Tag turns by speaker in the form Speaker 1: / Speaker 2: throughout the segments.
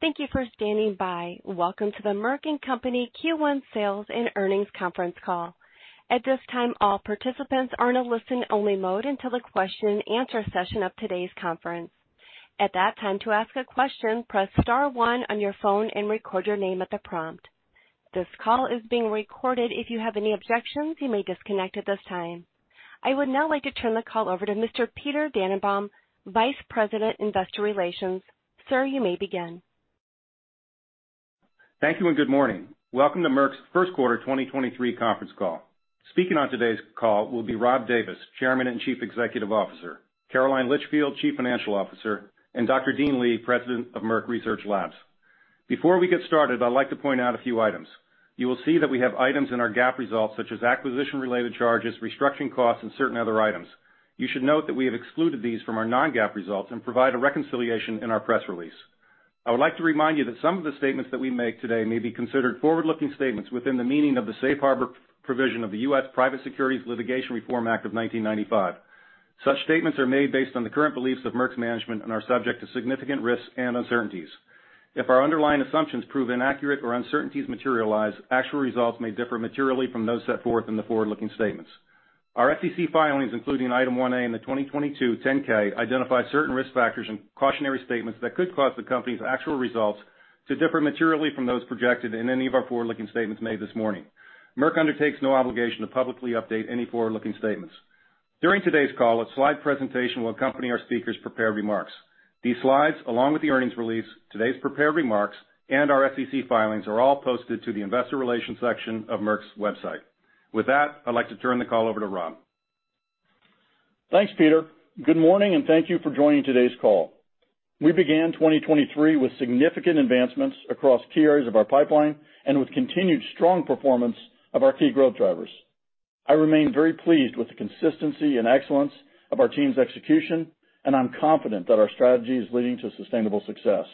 Speaker 1: Thank you for standing by. Welcome to the Merck & Company Q1 sales and earnings conference call. At this time, all participants are in a listen-only mode until the question and answer session of today's conference. At that time, to ask a question, press star one on your phone and record your name at the prompt. This call is being recorded. If you have any objections, you may disconnect at this time. I would now like to turn the call over to Mr. Peter Dannenbaum, Vice President, Investor Relations. Sir, you may begin.
Speaker 2: Thank you. Good morning. Welcome to Merck's first quarter 2023 conference call. Speaking on today's call will be Rob Davis, Chairman and Chief Executive Officer, Caroline Litchfield, Chief Financial Officer, and Dr. Dean Li, President of Merck Research Laboratories. Before we get started, I'd like to point out a few items. You will see that we have items in our GAAP results, such as acquisition-related charges, restructuring costs, and certain other items. You should note that we have excluded these from our non-GAAP results and provide a reconciliation in our press release. I would like to remind you that some of the statements that we make today may be considered forward-looking statements within the meaning of the safe harbor provision of the U.S. Private Securities Litigation Reform Act of 1995. Such statements are made based on the current beliefs of Merck's management and are subject to significant risks and uncertainties. If our underlying assumptions prove inaccurate or uncertainties materialize, actual results may differ materially from those set forth in the forward-looking statements. Our SEC filings, including Item 1A in the 2022 10-K, identify certain risk factors and cautionary statements that could cause the company's actual results to differ materially from those projected in any of our forward-looking statements made this morning. Merck undertakes no obligation to publicly update any forward-looking statements. During today's call, a slide presentation will accompany our speakers' prepared remarks. These slides, along with the earnings release, today's prepared remarks, and our SEC filings, are all posted to the investor relations section of Merck's website. With that, I'd like to turn the call over to Rob.
Speaker 3: Thanks, Peter. Good morning, thank you for joining today's call. We began 2023 with significant advancements across key areas of our pipeline with continued strong performance of our key growth drivers. I remain very pleased with the consistency and excellence of our team's execution, I'm confident that our strategy is leading to sustainable success.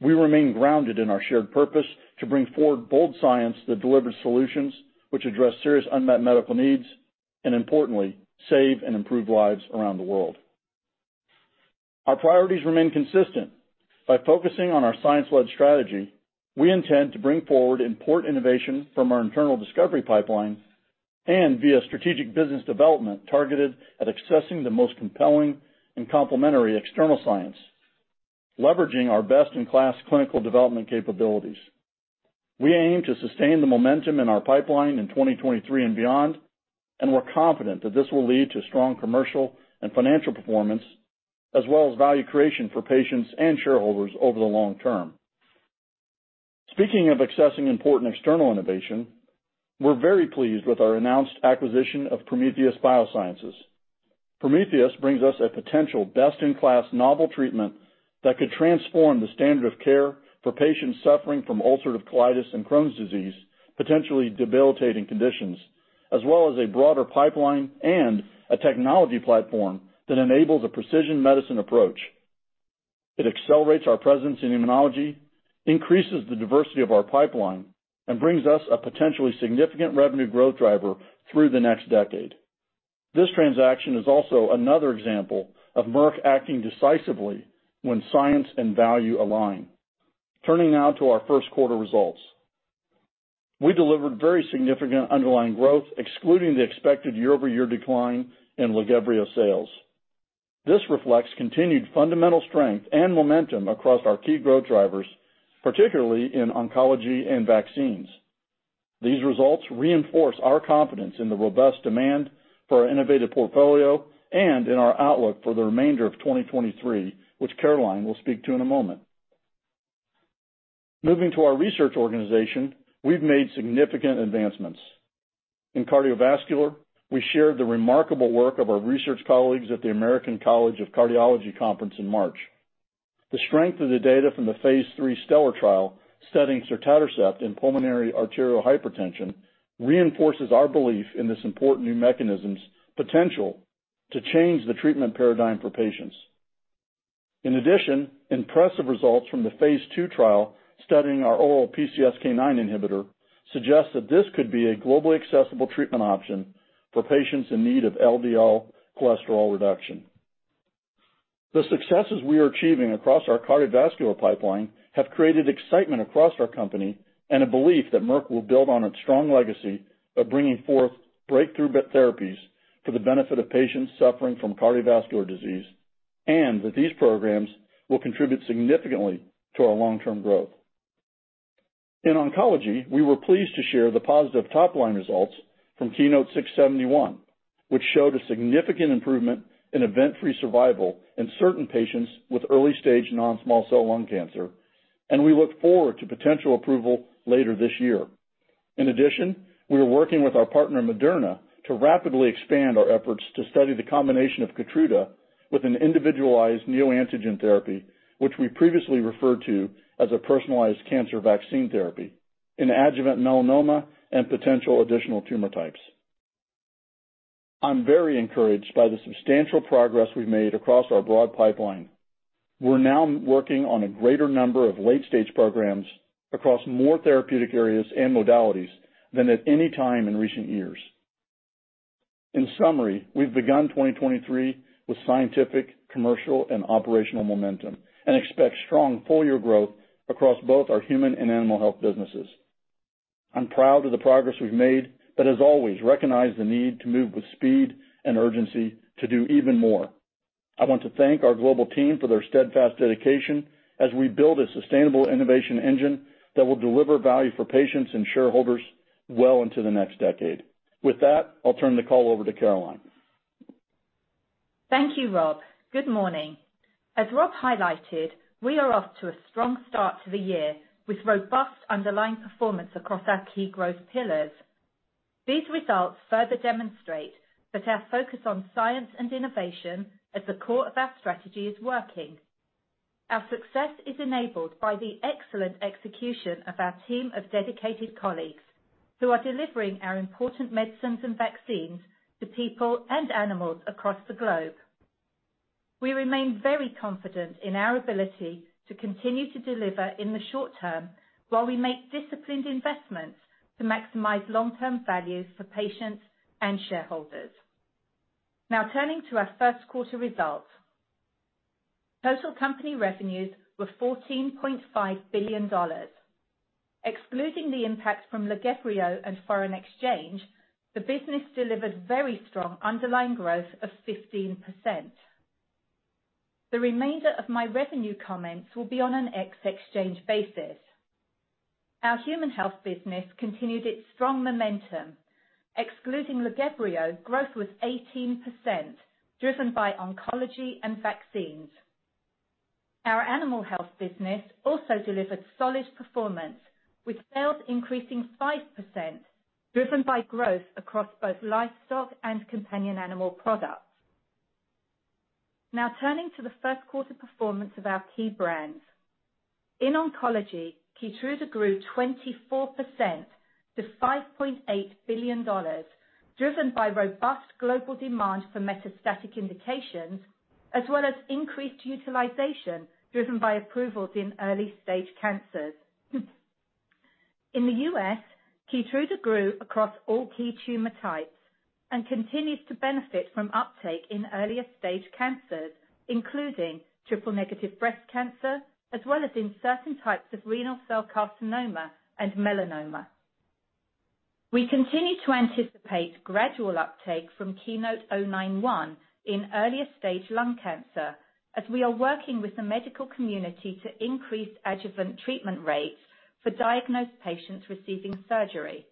Speaker 3: We remain grounded in our shared purpose to bring forward bold science that delivers solutions which address serious unmet medical needs and importantly, save and improve lives around the world. Our priorities remain consistent. By focusing on our science-led strategy, we intend to bring forward important innovation from our internal discovery pipelines and via strategic business development targeted at accessing the most compelling and complementary external science, leveraging our best-in-class clinical development capabilities. We aim to sustain the momentum in our pipeline in 2023 and beyond, we're confident that this will lead to strong commercial and financial performance, as well as value creation for patients and shareholders over the long term. Speaking of accessing important external innovation, we're very pleased with our announced acquisition of Prometheus Biosciences. Prometheus brings us a potential best-in-class novel treatment that could transform the standard of care for patients suffering from ulcerative colitis and Crohn's disease, potentially debilitating conditions, as well as a broader pipeline and a technology platform that enables a precision medicine approach. It accelerates our presence in immunology, increases the diversity of our pipeline, and brings us a potentially significant revenue growth driver through the next decade. This transaction is also another example of Merck acting decisively when science and value align. Turning now to our first quarter results. We delivered very significant underlying growth, excluding the expected year-over-year decline in LAGEVRIO sales. This reflects continued fundamental strength and momentum across our key growth drivers, particularly in oncology and vaccines. These results reinforce our confidence in the robust demand for our innovative portfolio and in our outlook for the remainder of 2023, which Caroline will speak to in a moment. Moving to our research organization, we've made significant advancements. In cardiovascular, we shared the remarkable work of our research colleagues at the American College of Cardiology Conference in March. The strength of the data from the phase III STELLAR trial studying sotatercept in pulmonary arterial hypertension reinforces our belief in this important new mechanism's potential to change the treatment paradigm for patients. In addition, impressive results from the phase II trial studying our oral PCSK9 inhibitor suggests that this could be a globally accessible treatment option for patients in need of LDL cholesterol reduction. The successes we are achieving across our cardiovascular pipeline have created excitement across our company and a belief that Merck will build on its strong legacy of bringing forth breakthrough therapies for the benefit of patients suffering from cardiovascular disease. And that these programs will contribute significantly to our long-term growth. In oncology, we were pleased to share the positive top-line results from KEYNOTE-671, which showed a significant improvement in event-free survival in certain patients with early-stage non-small cell lung cancer, and we look forward to potential approval later this year. We are working with our partner, Moderna, to rapidly expand our efforts to study the combination of KEYTRUDA with an individualized neoantigen therapy, which we previously referred to as a personalized cancer vaccine therapy in adjuvant melanoma and potential additional tumor types. I'm very encouraged by the substantial progress we've made across our broad pipeline. We're now working on a greater number of late-stage programs across more therapeutic areas and modalities than at any time in recent years. In summary, we've begun 2023 with scientific, commercial, and operational momentum, and expect strong full year growth across both our human and animal health businesses. I'm proud of the progress we've made, but as always, recognize the need to move with speed and urgency to do even more. I want to thank our global team for their steadfast dedication as we build a sustainable innovation engine that will deliver value for patients and shareholders well into the next decade. With that, I'll turn the call over to Caroline.
Speaker 4: Thank you, Rob. Good morning. As Rob highlighted, we are off to a strong start to the year with robust underlying performance across our key growth pillars. These results further demonstrate that our focus on science and innovation at the core of our strategy is working. Our success is enabled by the excellent execution of our team of dedicated colleagues, who are delivering our important medicines and vaccines to people and animals across the globe. We remain very confident in our ability to continue to deliver in the short term while we make disciplined investments to maximize long-term value for patients and shareholders. Now turning to our first quarter results. Total company revenues were $14.5 billion. Excluding the impact from LAGEVRIO and foreign exchange, the business delivered very strong underlying growth of 15%. The remainder of my revenue comments will be on an ex exchange basis. Our human health business continued its strong momentum. Excluding LAGEVRIO, growth was 18%, driven by oncology and vaccines. Our animal health business also delivered solid performance, with sales increasing 5%, driven by growth across both livestock and companion animal products. Now turning to the first quarter performance of our key brands. In oncology, KEYTRUDA grew 24% to $5.8 billion, driven by robust global demand for metastatic indications, as well as increased utilization driven by approvals in early-stage cancers. In the U.S., KEYTRUDA grew across all key tumor types and continues to benefit from uptake in earlier stage cancers, including Triple-Negative Breast Cancer, as well as in certain types of renal cell carcinoma and melanoma. We continue to anticipate gradual uptake from KEYNOTE-091 in earlier stage lung cancer, as we are working with the medical community to increase adjuvant treatment rates for diagnosed patients receiving surgery.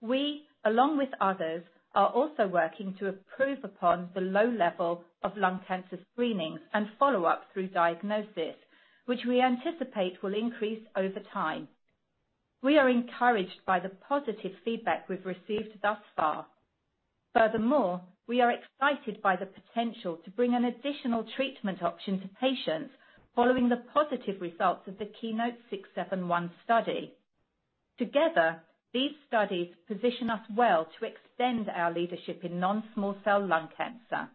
Speaker 4: We, along with others, are also working to improve upon the low level of lung cancer screenings and follow-up through diagnosis, which we anticipate will increase over time. We are encouraged by the positive feedback we've received thus far. We are excited by the potential to bring an additional treatment option to patients following the positive results of the KEYNOTE-671 study. Together, these studies position us well to extend our leadership in non-small cell lung cancer.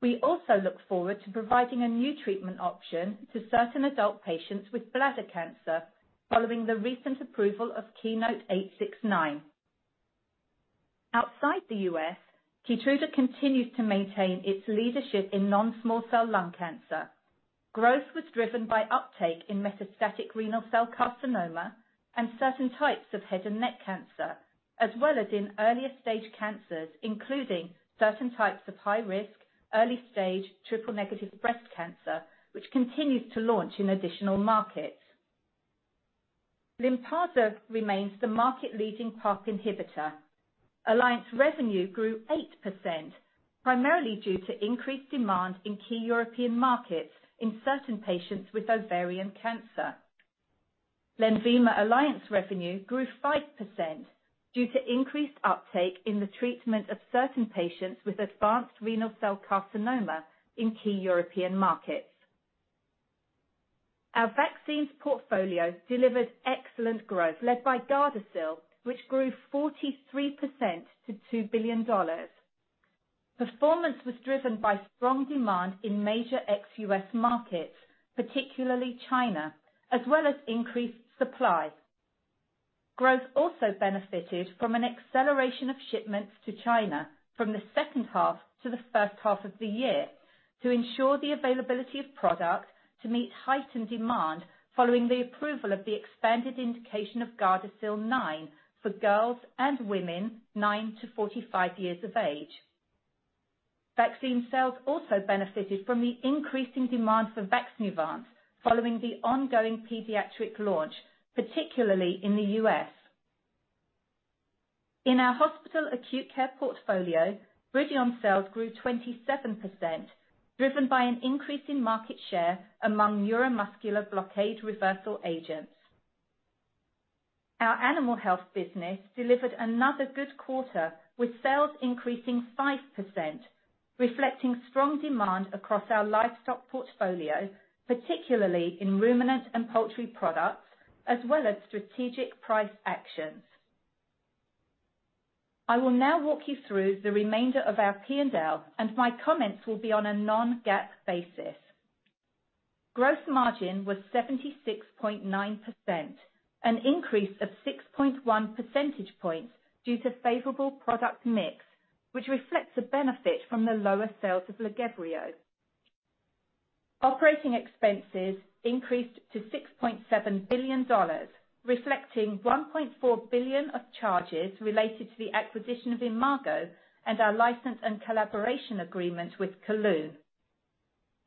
Speaker 4: We also look forward to providing a new treatment option to certain adult patients with bladder cancer following the recent approval of KEYNOTE-869. Outside the U.S., KEYTRUDA continues to maintain its leadership in non-small cell lung cancer. Growth was driven by uptake in metastatic renal cell carcinoma and certain types of head and neck cancer, as well as in earlier stage cancers, including certain types of high risk early stage Triple-Negative Breast Cancer, which continues to launch in additional markets. LYNPARZA remains the market-leading PARP inhibitor. Alliance revenue grew 8%, primarily due to increased demand in key European markets in certain patients with ovarian cancer. LENVIMA Alliance revenue grew 5% due to increased uptake in the treatment of certain patients with advanced renal cell carcinoma in key European markets. Our vaccines portfolio delivered excellent growth led by GARDASIL, which grew 43% to $2 billion. Performance was driven by strong demand in major ex-U.S. markets, particularly China, as well as increased supply. Growth also benefited from an acceleration of shipments to China from the second half to the first half of the year to ensure the availability of product to meet heightened demand following the approval of the expanded indication of GARDASIL 9 for girls and women 9 years-45 years of age. Vaccine sales also benefited from the increasing demand for VAXNEUVANCE following the ongoing pediatric launch, particularly in the U.S. In our hospital acute care portfolio, BRIDION sales grew 27%, driven by an increase in market share among neuromuscular blockade reversal agents. Our animal health business delivered another good quarter, with sales increasing 5%, reflecting strong demand across our livestock portfolio, particularly in ruminant and poultry products, as well as strategic price actions. I will now walk you through the remainder of our P&L, and my comments will be on a non-GAAP basis. Gross margin was 76.9%, an increase of 6.1 percentage points due to favorable product mix, which reflects a benefit from the lower sales of LAGEVRIO. Operating expenses increased to $6.7 billion, reflecting $1.4 billion of charges related to the acquisition of Imago and our license and collaboration agreement with Kelun-Bio.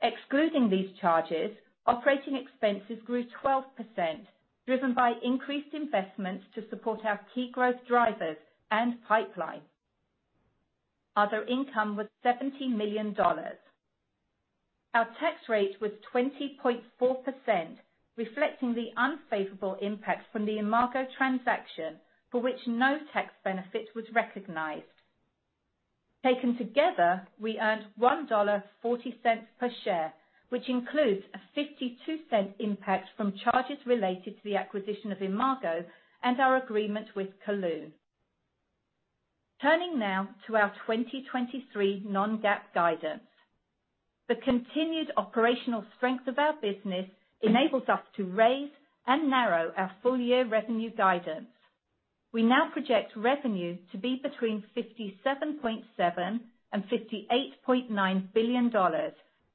Speaker 4: Excluding these charges, operating expenses grew 12%, driven by increased investments to support our key growth drivers and pipeline. Other income was $70 million. Our tax rate was 20.4%, reflecting the unfavorable impact from the Imago transaction, for which no tax benefit was recognized. Taken together, we earned $1.40 per share, which includes a $0.52 impact from charges related to the acquisition of Imago and our agreement with Kelun-Bio. Turning now to our 2023 non-GAAP guidance. The continued operational strength of our business enables us to raise and narrow our full year revenue guidance. We now project revenue to be between $57.7 billion-$58.9 billion,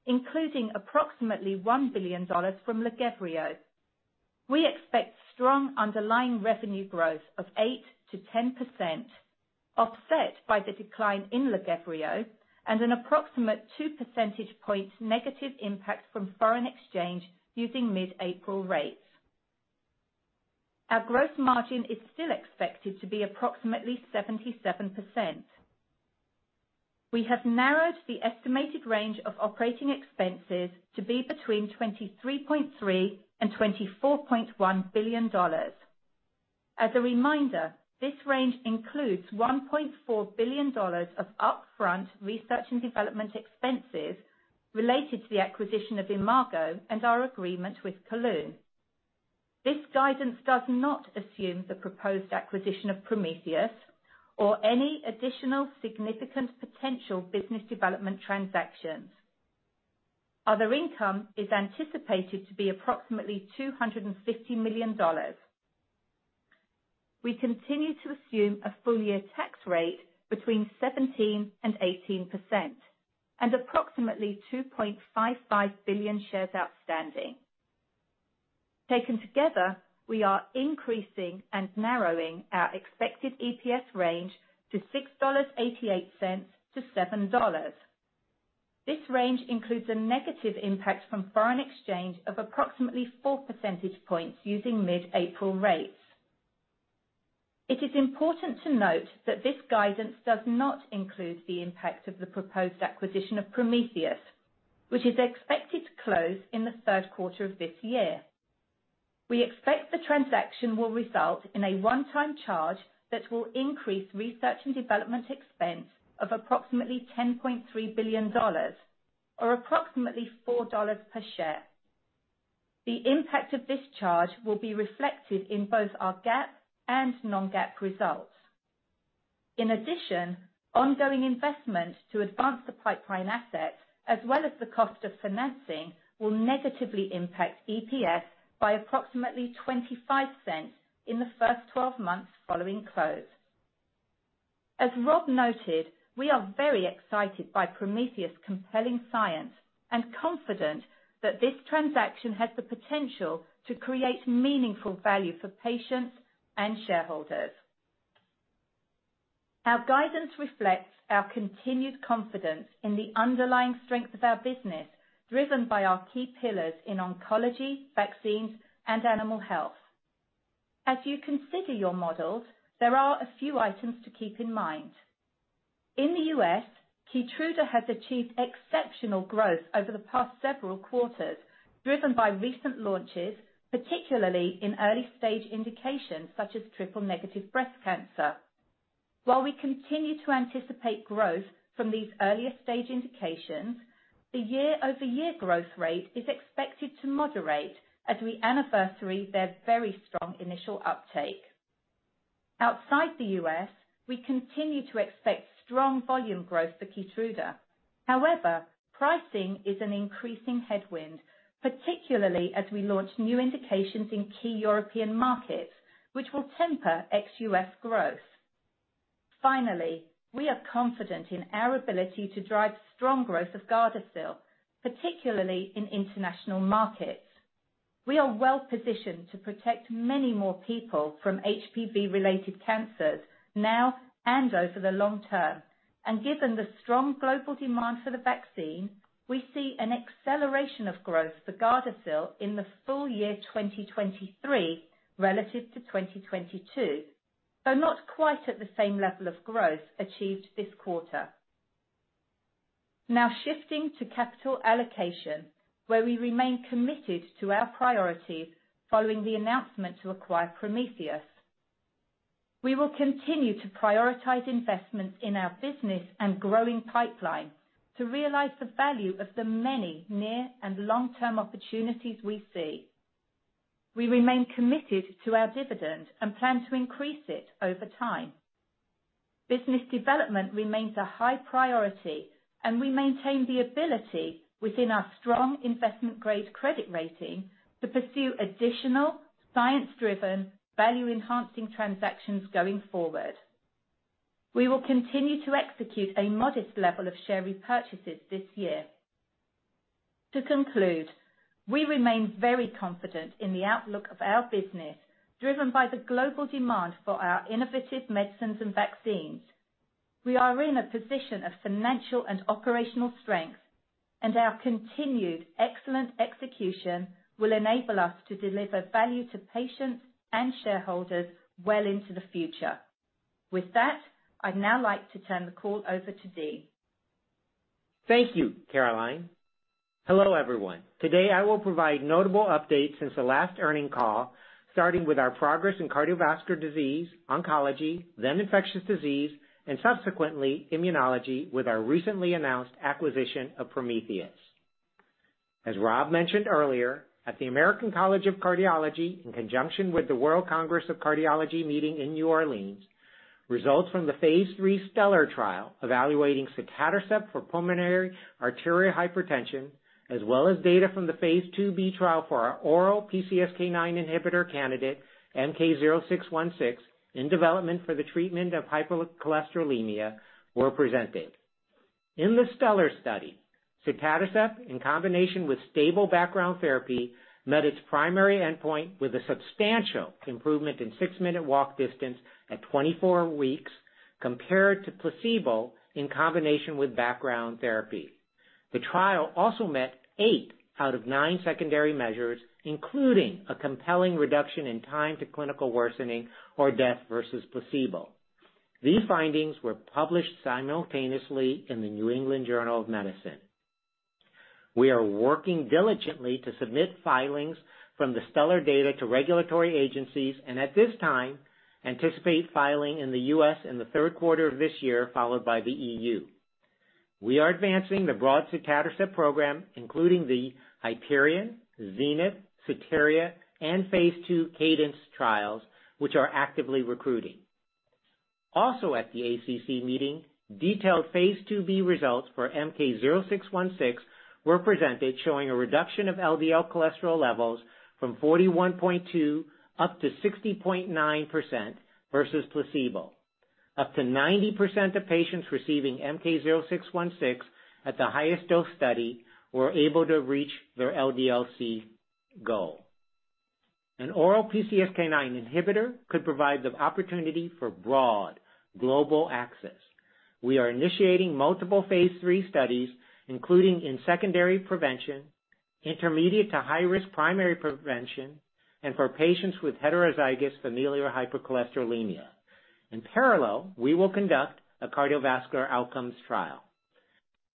Speaker 4: including approximately $1 billion from LAGEVRIO. We expect strong underlying revenue growth of 8%-10%, offset by the decline in LAGEVRIO and an approximate 2 percentage points negative impact from foreign exchange using mid-April rates. Our growth margin is still expected to be approximately 77%. We have narrowed the estimated range of operating expenses to be between $23.3 billion-$24.1 billion. As a reminder, this range includes $1.4 billion of upfront research and development expenses related to the acquisition of Imago and our agreement with Kelun-Bio. This guidance does not assume the proposed acquisition of Prometheus or any additional significant potential business development transactions. Other income is anticipated to be approximately $250 million. We continue to assume a full year tax rate between 17% and 18% and approximately 2.55 billion shares outstanding. Taken together, we are increasing and narrowing our expected EPS range to $6.88-$7.00. This range includes a negative impact from foreign exchange of approximately 4 percentage points using mid-April rates. It is important to note that this guidance does not include the impact of the proposed acquisition of Prometheus, which is expected to close in the third quarter of this year. We expect the transaction will result in a one-time charge that will increase research and development expense of approximately $10.3 billion or approximately $4 per share. The impact of this charge will be reflected in both our GAAP and non-GAAP results. In addition, ongoing investments to advance the pipeline assets as well as the cost of financing will negatively impact EPS by approximately $0.25 in the first 12 months following close. As Rob noted, we are very excited by Prometheus' compelling science and confident that this transaction has the potential to create meaningful value for patients and shareholders. Our guidance reflects our continued confidence in the underlying strength of our business, driven by our key pillars in oncology, vaccines, and animal health. As you consider your models, there are a few items to keep in mind. In the U.S., KEYTRUDA has achieved exceptional growth over the past several quarters, driven by recent launches, particularly in early-stage indications such as Triple-Negative Breast Cancer. While we continue to anticipate growth from these earlier-stage indications, the year-over-year growth rate is expected to moderate as we anniversary their very strong initial uptake. Outside the U.S., we continue to expect strong volume growth for KEYTRUDA. However, pricing is an increasing headwind, particularly as we launch new indications in key European markets, which will temper ex-U.S. growth. Finally, we are well-positioned to protect many more people from HPV-related cancers now and over the long term. Given the strong global demand for the vaccine, we see an acceleration of growth for GARDASIL in the full year 2023 relative to 2022, though not quite at the same level of growth achieved this quarter. Shifting to capital allocation, where we remain committed to our priorities following the announcement to acquire Prometheus. We will continue to prioritize investments in our business and growing pipeline to realize the value of the many near and long-term opportunities we see. We remain committed to our dividend and plan to increase it over time. Business development remains a high priority, and we maintain the ability within our strong investment-grade credit rating to pursue additional science-driven, value-enhancing transactions going forward. We will continue to execute a modest level of share repurchases this year. To conclude, we remain very confident in the outlook of our business, driven by the global demand for our innovative medicines and vaccines. We are in a position of financial and operational strength, and our continued excellent execution will enable us to deliver value to patients and shareholders well into the future. With that, I'd now like to turn the call over to Dean.
Speaker 5: Thank you, Caroline. Hello, everyone. Today, I will provide notable updates since the last earning call, starting with our progress in cardiovascular disease, oncology, then infectious disease, and subsequently immunology with our recently announced acquisition of Prometheus. As Rob mentioned earlier, at the American College of Cardiology, in conjunction with the World Congress of Cardiology meeting in New Orleans, results from the phase III STELLAR trial evaluating sotatercept for pulmonary arterial hypertension, as well as data from the phase II-B trial for our oral PCSK9 inhibitor candidate, MK-0616, in development for the treatment of hypercholesterolemia were presented. In the STELLAR study, sotatercept, in combination with stable background therapy, met its primary endpoint with a substantial improvement in six-minute walk distance at 24 weeks compared to placebo in combination with background therapy. The trial also met eight out of nine secondary measures, including a compelling reduction in time to clinical worsening or death versus placebo. These findings were published simultaneously in the New England Journal of Medicine. We are working diligently to submit filings from the STELLAR data to regulatory agencies, and at this time anticipate filing in the U.S. in the third quarter of this year, followed by the EU. We are advancing the broad sotatercept program, including the Hyperion, Zenith, SOTERIA, and phase II Cadence trials, which are actively recruiting. Also at the ACC meeting, detailed phase II-B results for MK-0616 were presented, showing a reduction of LDL cholesterol levels from 41.2 up to 60.9% versus placebo. Up to 90% of patients receiving MK-0616 at the highest dose study were able to reach their LDL-C goal. An oral PCSK9 inhibitor could provide the opportunity for broad global access. We are initiating multiple phase III studies, including in secondary prevention, intermediate to high-risk primary prevention, and for patients with heterozygous familial hypercholesterolemia. In parallel, we will conduct a cardiovascular outcomes trial.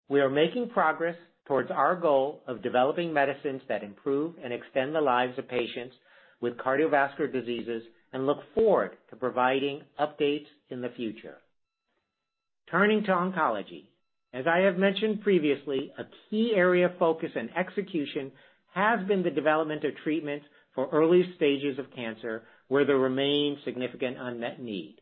Speaker 5: We are making progress towards our goal of developing medicines that improve and extend the lives of patients with cardiovascular diseases and look forward to providing updates in the future. Turning to oncology. As I have mentioned previously, a key area of focus and execution has been the development of treatments for early stages of cancer where there remains significant unmet need.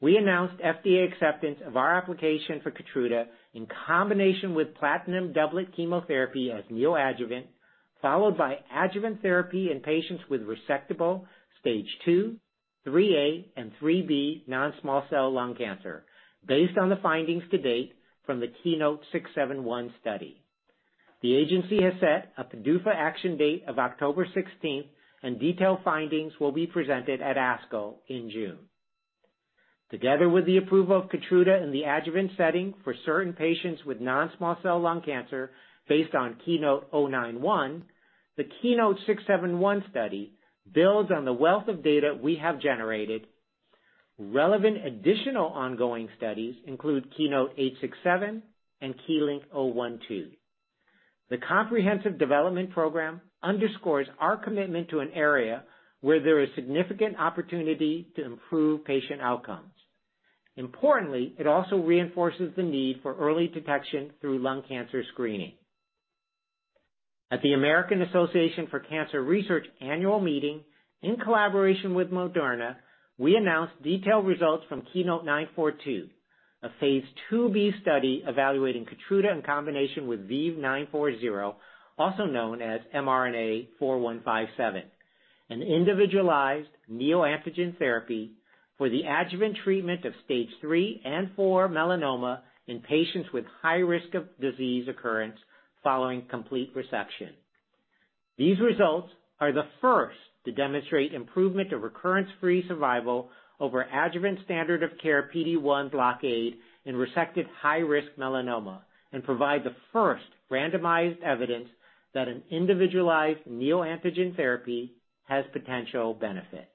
Speaker 5: We announced FDA acceptance of our application for KEYTRUDA in combination with platinum doublet chemotherapy as neoadjuvant, followed by adjuvant therapy in patients with resectable stage II, III-A, and III-B non-small cell lung cancer based on the findings to date from the KEYNOTE-671 study. The agency has set a PDUFA action date of October 16th, and detailed findings will be presented at ASCO in June. Together with the approval of KEYTRUDA in the adjuvant setting for certain patients with non-small cell lung cancer based on KEYNOTE-091, the KEYNOTE-671 study builds on the wealth of data we have generated. Relevant additional ongoing studies include KEYNOTE-867 and KEYLYNK-012. The comprehensive development program underscores our commitment to an area where there is significant opportunity to improve patient outcomes. Importantly, it also reinforces the need for early detection through lung cancer screening. At the American Association for Cancer Research annual meeting in collaboration with Moderna, we announced detailed results from KEYNOTE-942, a phase II-B study evaluating KEYTRUDA in combination with V940, also known as mRNA-4157, an individualized neoantigen therapy for the adjuvant treatment of stage III and IV melanoma in patients with high risk of disease occurrence following complete resection. These results are the first to demonstrate improvement of recurrence-free survival over adjuvant standard of care PD1 blockade in resected high-risk melanoma and provide the first randomized evidence that an individualized neoantigen therapy has potential benefit.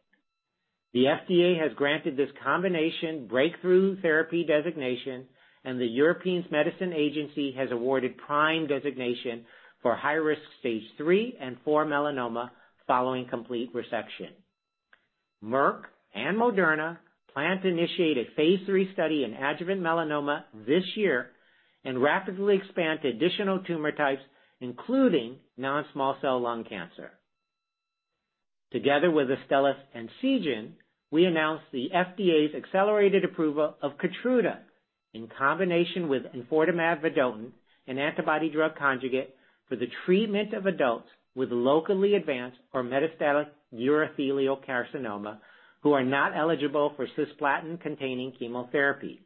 Speaker 5: The FDA has granted this combination breakthrough therapy designation, and the European Medicines Agency has awarded prime designation for high-risk stage III and IV melanoma following complete resection. Merck and Moderna plan to initiate a phase III study in adjuvant melanoma this year and rapidly expand to additional tumor types, including non-small cell lung cancer. Together with Astellas and Seagen, we announced the FDA's accelerated approval of KEYTRUDA in combination with enfortumab vedotin, an antibody drug conjugate, for the treatment of adults with locally advanced or metastatic urothelial carcinoma who are not eligible for cisplatin-containing chemotherapy.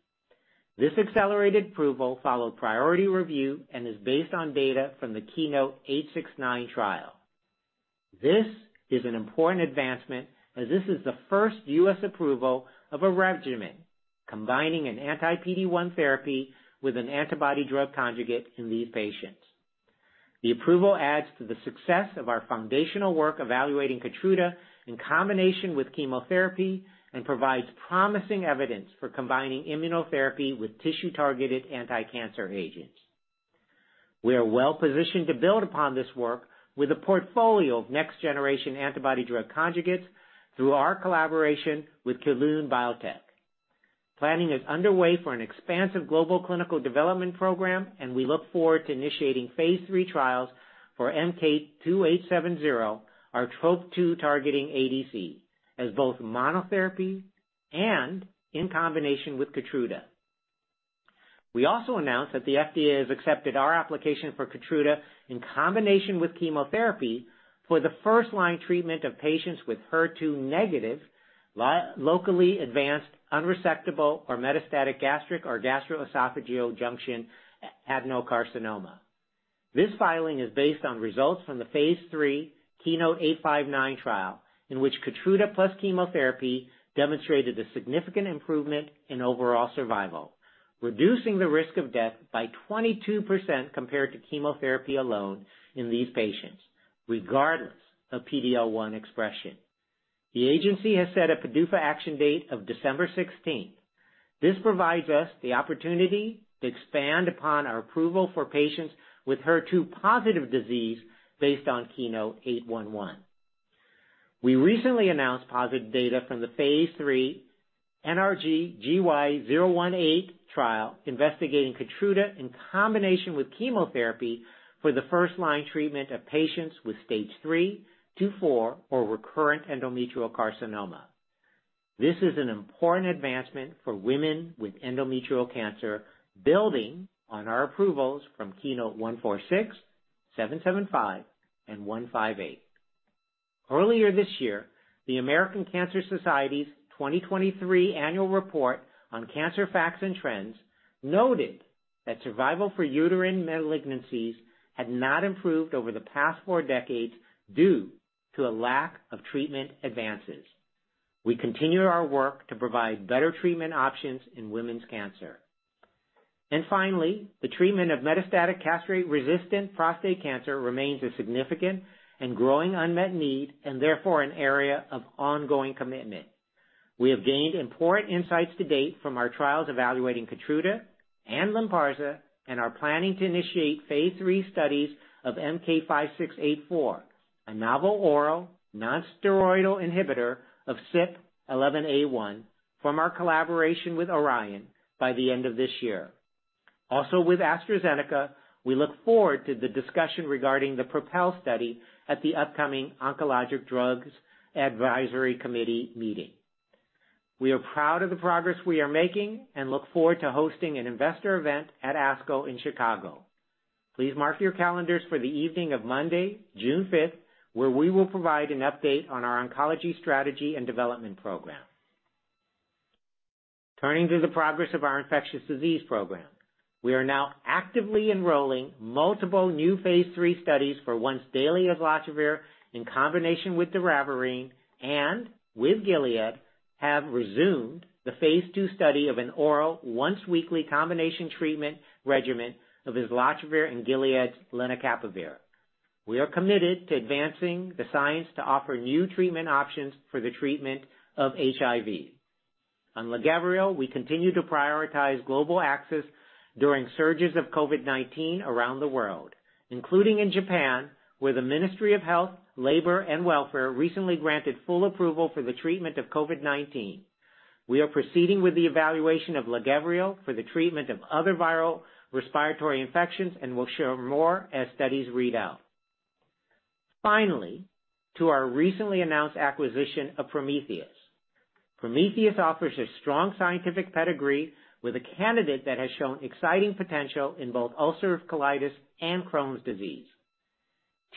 Speaker 5: This accelerated approval followed priority review and is based on data from the KEYNOTE-869 trial. This is an important advancement as this is the first U.S. approval of a regimen combining an anti-PD-1 therapy with an antibody drug conjugate in these patients. The approval adds to the success of our foundational work evaluating KEYTRUDA in combination with chemotherapy and provides promising evidence for combining immunotherapy with tissue-targeted anticancer agents. We are well-positioned to build upon this work with a portfolio of next-generation antibody drug conjugates through our collaboration with Kelun-Biotech. Planning is underway for an expansive global clinical development program, and we look forward to initiating phase III trials for MK-2870, our TROP2-targeting ADC, as both monotherapy and in combination with KEYTRUDA. We also announced that the FDA has accepted our application for KEYTRUDA in combination with chemotherapy for the first-line treatment of patients with HER2-negative, locally advanced, unresectable, or metastatic gastric or gastroesophageal junction adenocarcinoma. This filing is based on results from the phase III KEYNOTE-859 trial, in which KEYTRUDA plus chemotherapy demonstrated a significant improvement in overall survival, reducing the risk of death by 22% compared to chemotherapy alone in these patients, regardless of PD-L1 expression. The agency has set a PDUFA action date of December 16th. This provides us the opportunity to expand upon our approval for patients with HER2-positive disease based on KEYNOTE-811. We recently announced positive data from the phase III NRG-GY018 trial investigating KEYTRUDA in combination with chemotherapy for the first-line treatment of patients with stage III, II-IV, or recurrent endometrial carcinoma. This is an important advancement for women with endometrial cancer, building on our approvals from KEYNOTE-146, KEYNOTE-775, and KEYNOTE-158. Earlier this year, the American Cancer Society's 2023 annual report on cancer facts and trends noted that survival for uterine malignancies had not improved over the past four decades due to a lack of treatment advances. We continue our work to provide better treatment options in women's cancer. The treatment of metastatic castrate-resistant prostate cancer remains a significant and growing unmet need and therefore an area of ongoing commitment. We have gained important insights to date from our trials evaluating KEYTRUDA and LYNPARZA, and are planning to initiate phase III studies of MK-5684, a novel oral nonsteroidal inhibitor of CYP11A1 from our collaboration with Orion by the end of this year. Also with AstraZeneca, we look forward to the discussion regarding the PROPEL study at the upcoming Oncologic Drugs Advisory Committee meeting. We are proud of the progress we are making and look forward to hosting an Investor Event at ASCO in Chicago. Please mark your calendars for the evening of Monday, June 5th, where we will provide an update on our oncology strategy and development program. Turning to the progress of our infectious disease program. We are now actively enrolling multiple new phase III studies for once daily islatravir in combination with doravirine, and with Gilead have resumed the phase II study of an oral once-weekly combination treatment regimen of islatravir and Gilead's lenacapavir. We are committed to advancing the science to offer new treatment options for the treatment of HIV. On LAGEVRIO, we continue to prioritize global access during surges of COVID-19 around the world, including in Japan, where the Ministry of Health, Labour and Welfare recently granted full approval for the treatment of COVID-19. We are proceeding with the evaluation of LAGEVRIO for the treatment of other viral respiratory infections and will share more as studies read out. Finally, to our recently announced acquisition of Prometheus. Prometheus offers a strong scientific pedigree with a candidate that has shown exciting potential in both ulcerative colitis and Crohn's disease.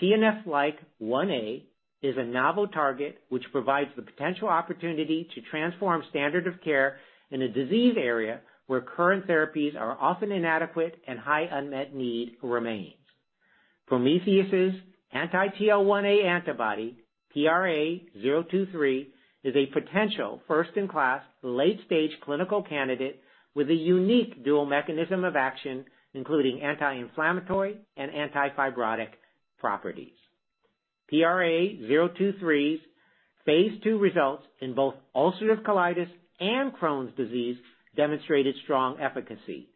Speaker 5: TL1A is a novel target which provides the potential opportunity to transform standard of care in a disease area where current therapies are often inadequate and high unmet need remains. Prometheus Biosciences' anti-TL1A antibody, PRA023, is a potential first-in-class late-stage clinical candidate with a unique dual mechanism of action, including anti-inflammatory and anti-fibrotic properties. PRA023's phase II results in both ulcerative colitis and Crohn's disease demonstrated strong efficacy.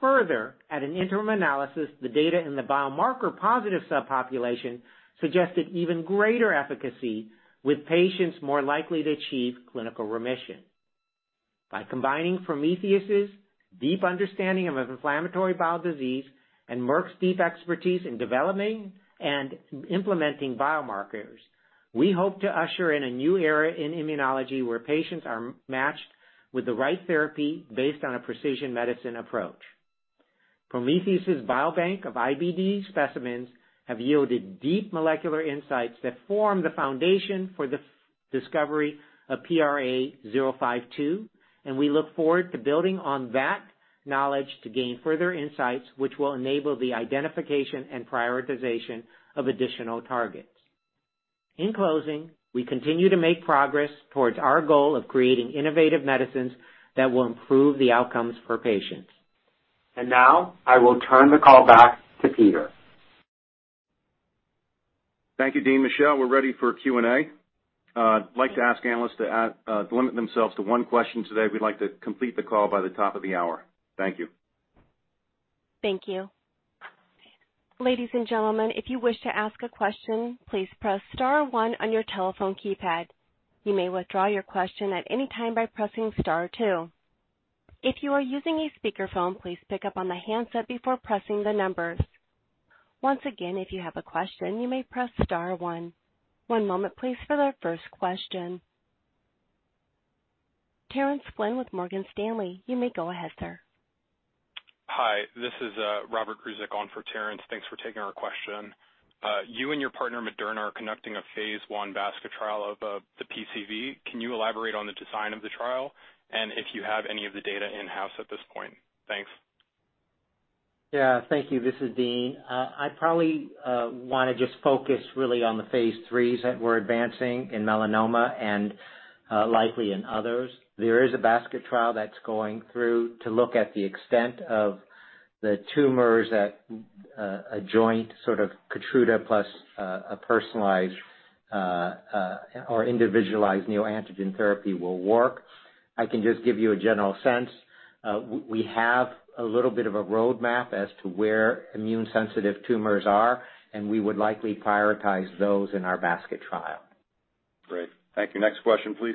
Speaker 5: Further, at an interim analysis, the data in the biomarker-positive subpopulation suggested even greater efficacy, with patients more likely to achieve clinical remission. By combining Prometheus Biosciences' deep understanding of IBD and Merck's deep expertise in developing and implementing biomarkers, we hope to usher in a new era in immunology where patients are matched with the right therapy based on a precision medicine approach. Prometheus' biobank of IBD specimens have yielded deep molecular insights that form the foundation for the discovery of PRA052. We look forward to building on that knowledge to gain further insights, which will enable the identification and prioritization of additional targets. In closing, we continue to make progress towards our goal of creating innovative medicines that will improve the outcomes for patients. Now, I will turn the call back to Peter.
Speaker 2: Thank you, Dean, Michelle. We're ready for Q&A. I'd like to ask analysts to limit themselves to one question today. We'd like to complete the call by the top of the hour. Thank you.
Speaker 1: Thank you. Ladies and gentlemen, if you wish to ask a question, please press star one on your telephone keypad. You may withdraw your question at any time by pressing star two. If you are using a speakerphone, please pick up on the handset before pressing the numbers. Once again, if you have a question, you may press star one. One moment please for the first question. Terence Flynn with Morgan Stanley, you may go ahead, sir.
Speaker 6: Hi, this is Robert Cusick on for Terence. Thanks for taking our question. You and your partner, Moderna, are conducting a phase I basket trial of the PCV. Can you elaborate on the design of the trial, and if you have any of the data in-house at this point? Thanks.
Speaker 5: Yeah, thank you. This is Dean. I probably wanna just focus really on the phase III that we're advancing in melanoma and likely in others. There is a basket trial that's going through to look at the extent of the tumors that a joint sort of KEYTRUDA plus a personalized or individualized neoantigen therapy will work. I can just give you a general sense. We have a little bit of a roadmap as to where immune sensitive tumors are, and we would likely prioritize those in our basket trial.
Speaker 2: Great. Thank you. Next question, please.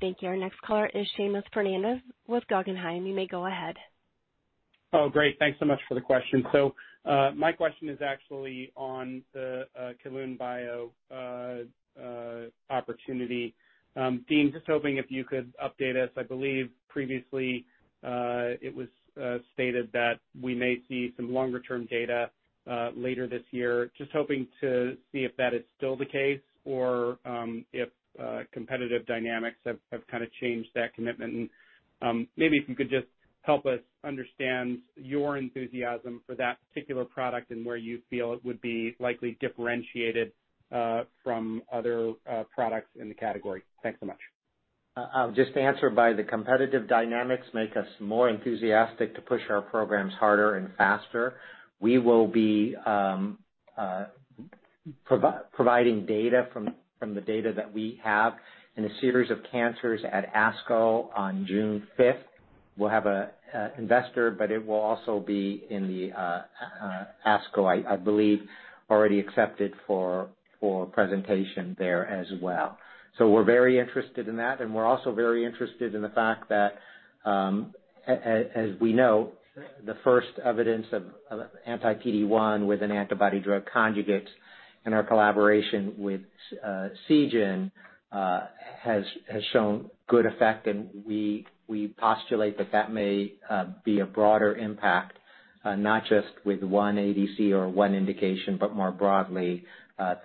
Speaker 1: Thank you. Our next caller is Seamus Fernandez with Guggenheim. You may go ahead.
Speaker 7: Oh, great. Thanks so much for the question. My question is actually on the Kelun-Bio opportunity. Dean, just hoping if you could update us. I believe previously it was stated that we may see some longer-term data later this year. Just hoping to see if that is still the case or if competitive dynamics have kinda changed that commitment. Maybe if you could just help us understand your enthusiasm for that particular product and where you feel it would be likely differentiated from other products in the category. Thanks so much.
Speaker 5: I'll just answer by the competitive dynamics make us more enthusiastic to push our programs harder and faster. We will be providing data from the data that we have in a series of cancers at ASCO on June fifth. We'll have a investor. It will also be in the ASCO, I believe already accepted for presentation there as well. We're very interested in that, and we're also very interested in the fact that, as we know, the first evidence of anti-PD-1 with an antibody-drug conjugate in our collaboration with Seagen, has shown good effect, and we postulate that that may be a broader impact, not just with one ADC or one indication, but more broadly,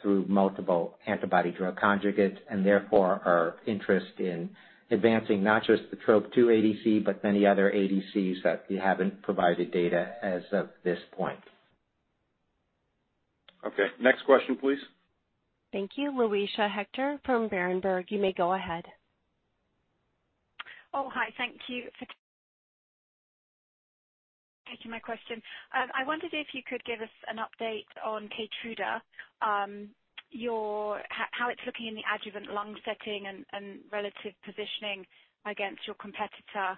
Speaker 5: through multiple antibody-drug conjugates, and therefore our interest in advancing not just the TROP2 ADC, but many other ADCs that we haven't provided data as of this point.
Speaker 2: Okay. Next question, please.
Speaker 1: Thank you. Luisa Hector from Berenberg, you may go ahead.
Speaker 8: Hi. Thank you for taking my question. I wondered if you could give us an update on KEYTRUDA. How it's looking in the adjuvant lung setting and relative positioning against your competitor,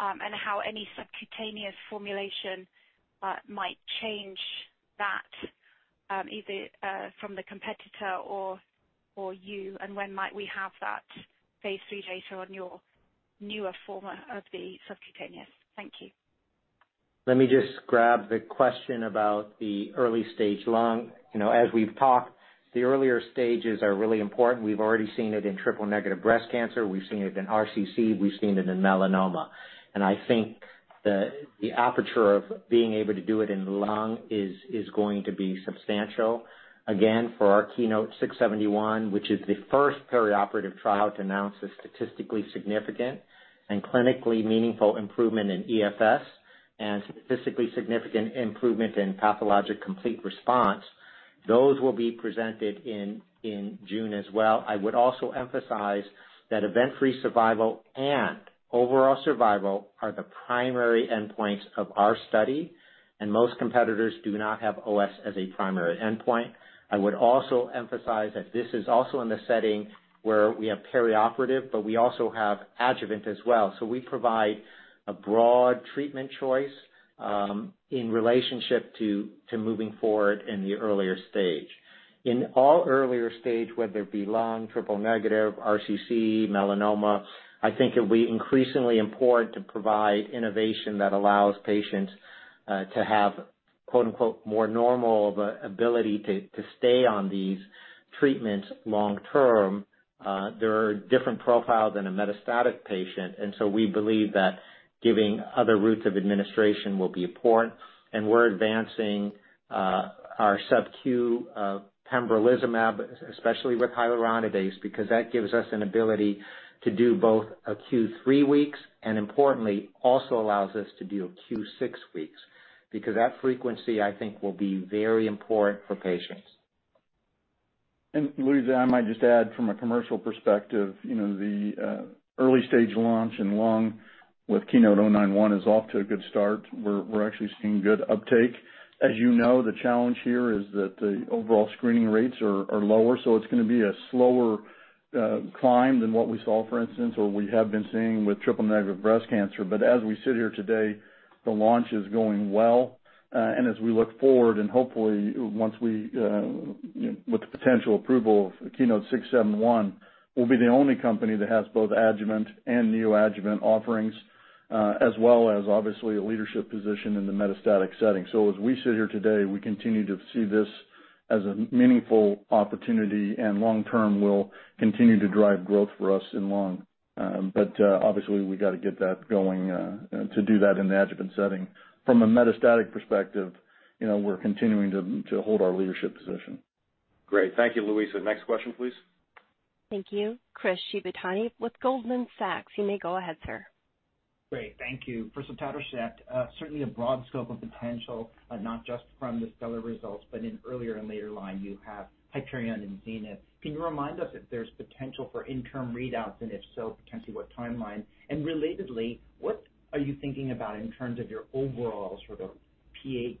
Speaker 8: and how any subcutaneous formulation might change that, either from the competitor or you, and when might we have that phase III data on your newer form of the subcutaneous? Thank you.
Speaker 5: Let me just grab the question about the early-stage lung. You know, as we've talked, the earlier stages are really important. We've already seen it in Triple-Negative Breast Cancer. We've seen it in RCC. We've seen it in melanoma. I think the aperture of being able to do it in lung is going to be substantial. Again, for our KEYNOTE-671, which is the first perioperative trial to announce a statistically significant and clinically meaningful improvement in EFS and statistically significant improvement in pathologic complete response, those will be presented in June as well. I would also emphasize that event-free survival and overall survival are the primary endpoints of our study. Most competitors do not have OS as a primary endpoint. I would also emphasize that this is also in the setting where we have perioperative, but we also have adjuvant as well, so we provide a broad treatment choice in relationship to moving forward in the earlier stage. In all earlier stage, whether it be lung, Triple-Negative Breast Cancer, RCC, melanoma, I think it'll be increasingly important to provide innovation that allows patients to have quote unquote more normal of a ability to stay on these treatments long term, they're a different profile than a metastatic patient. We believe that giving other routes of administration will be important, and we're advancing our subQ pembrolizumab, especially with hyaluronidase, because that gives us an ability to do both a Q3 weeks, and importantly, also allows us to do a Q6 weeks. That frequency, I think, will be very important for patients.
Speaker 3: Luisa, I might just add from a commercial perspective, you know, the early-stage launch in lung with KEYNOTE-091 is off to a good start. We're actually seeing good uptake. As you know, the challenge here is that the overall screening rates are lower, so it's gonna be a slower climb than what we saw, for instance, or we have been seeing with Triple-Negative Breast Cancer. As we sit here today, the launch is going well. As we look forward, and hopefully once we, you know, with the potential approval of KEYNOTE-671, we'll be the only company that has both adjuvant and neoadjuvant offerings, as well as obviously a leadership position in the metastatic setting. As we sit here today, we continue to see this as a meaningful opportunity, and long term will continue to drive growth for us in lung. Obviously we gotta get that going to do that in the adjuvant setting. From a metastatic perspective, you know, we're continuing to hold our leadership position.
Speaker 2: Great. Thank you, Luisa. Next question, please.
Speaker 1: Thank you. Chris Shibutani with Goldman Sachs, you may go ahead, sir.
Speaker 9: Great. Thank you. For sotatercept, certainly a broad scope of potential, not just from the STELLAR results, but in earlier and later line you have Hyperion and Zenith. Can you remind us if there's potential for interim readouts, and if so, potentially what timeline? Relatedly, what are you thinking about in terms of your overall sort of PH,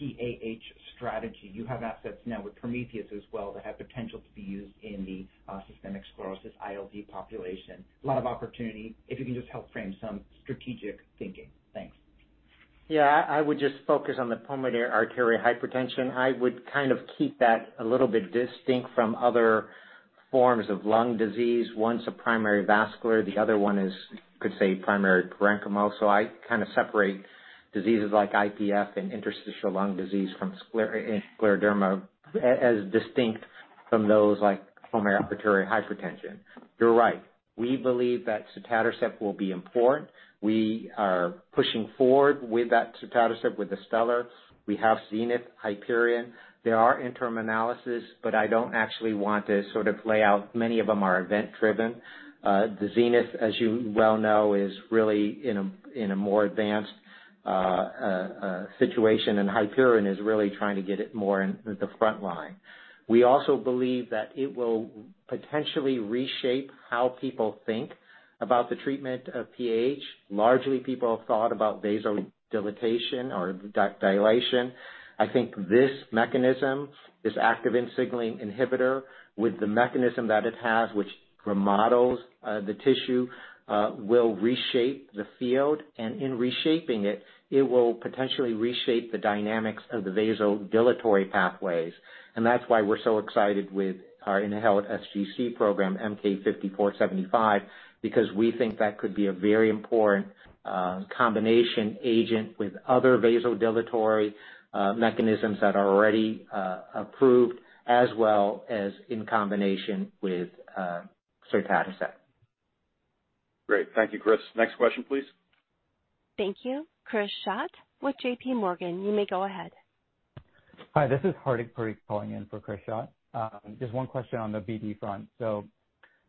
Speaker 9: PAH strategy? You have assets now with Prometheus as well that have potential to be used in the systemic sclerosis ILD population. A lot of opportunity, if you can just help frame some strategic thinking. Thanks.
Speaker 5: Yeah. I would just focus on the pulmonary artery hypertension. I would kind of keep that a little bit distinct from other forms of lung disease. One's a primary vascular, the other one is, could say, primary parenchymal. I kind of separate diseases like IPF and interstitial lung disease from scleroderma as distinct from those like pulmonary artery hypertension. You're right, we believe that sotatercept will be important. We are pushing forward with that sotatercept with the STELLAR. We have Zenith, Hyperion. There are interim analysis, I don't actually want to sort of lay out, many of them are event driven. The Zenith, as you well know, is really in a more advanced situation, and Hyperion is really trying to get it more in the front line. We also believe that it will potentially reshape how people think about the treatment of PAH. Largely, people have thought about vasodilatation or dilation. I think this mechanism, this activin signaling inhibitor, with the mechanism that it has, which remodels the tissue, will reshape the field. In reshaping it will potentially reshape the dynamics of the vasodilatory pathways. That's why we're so excited with our in-house sGC program, MK-5475, because we think that could be a very important combination agent with other vasodilatory mechanisms that are already approved, as well as in combination with sotatercept.
Speaker 2: Great. Thank you, Chris. Next question, please.
Speaker 1: Thank you. Chris Schott with JPMorgan, you may go ahead.
Speaker 10: Hi, this is Hardik Parikh calling in for Chris Schott. just one question on the BD front. you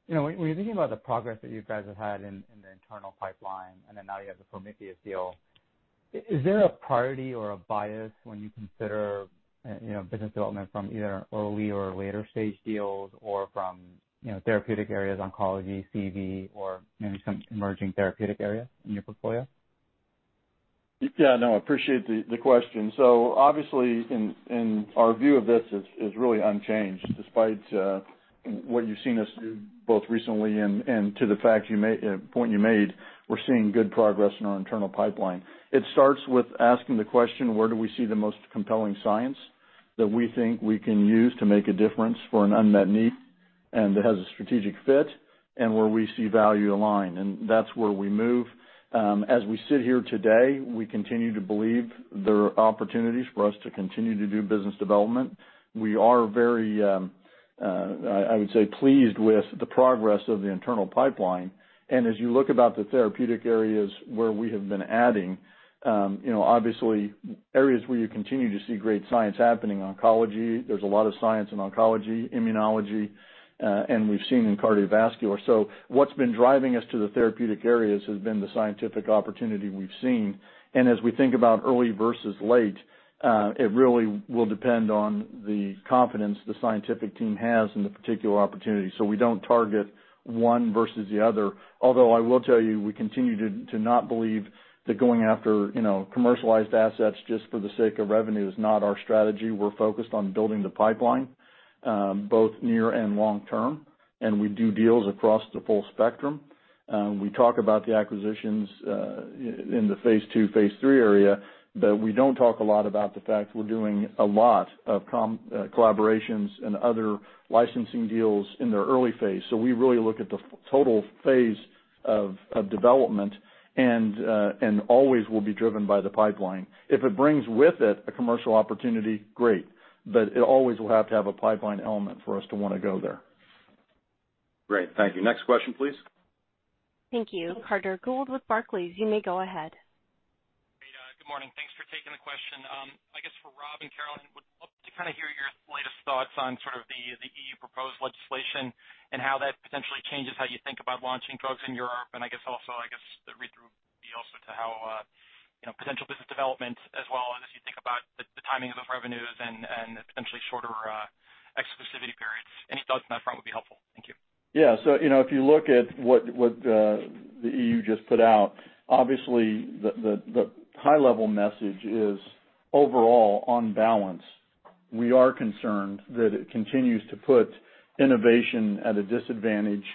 Speaker 10: know, when you think about the progress that you guys have had in the internal pipeline, and then now you have the Prometheus deal, is there a priority or a bias when you consider, you know, business development from either early or later stage deals or from, you know, therapeutic areas, oncology, CV, or maybe some emerging therapeutic area in your portfolio?
Speaker 3: Yeah, no, I appreciate the question. Obviously, and our view of this is really unchanged despite what you've seen us do both recently and to the fact you made point you made, we're seeing good progress in our internal pipeline. It starts with asking the question, where do we see the most compelling science that we think we can use to make a difference for an unmet need, and that has a strategic fit, and where we see value align? That's where we move. As we sit here today, we continue to believe there are opportunities for us to continue to do business development. We are very, I would say, pleased with the progress of the internal pipeline. As you look about the therapeutic areas where we have been adding, you know, obviously areas where you continue to see great science happening, oncology, there's a lot of science in oncology, immunology, and we've seen in cardiovascular. What's been driving us to the therapeutic areas has been the scientific opportunity we've seen. As we think about early versus late, it really will depend on the confidence the scientific team has in the particular opportunity. We don't target one versus the other, although I will tell you, we continue to not believe that going after, you know, commercialized assets just for the sake of revenue is not our strategy. We're focused on building the pipeline, both near and long term, and we do deals across the full spectrum. We talk about the acquisitions, in the phase II, phase III area, but we don't talk a lot about the fact we're doing a lot of collaborations and other licensing deals in their early phase. We really look at the total phase of development and always will be driven by the pipeline. If it brings with it a commercial opportunity, great. It always will have to have a pipeline element for us to wanna go there.
Speaker 2: Great. Thank you. Next question, please.
Speaker 1: Thank you. Carter Gould with Barclays, you may go ahead.
Speaker 11: Great. Good morning. Thanks for taking the question. I guess for Rob and Caroline, would love to kinda hear your latest thoughts on sort of the EU proposed legislation and how that potentially changes how you think about launching drugs in Europe? And I guess also, the read-through would be also to how, you know, potential business development as well as you think about the timing of those revenues and potentially shorter exclusivity periods? Any thoughts on that front would be helpful? Thank you.
Speaker 3: You know, if you look at what, the EU just put out, obviously the, the high level message is overall on balance we are concerned that it continues to put innovation at a disadvantage